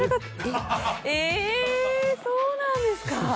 そうなんですか。